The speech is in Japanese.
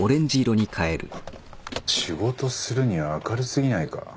仕事するには明るすぎないか？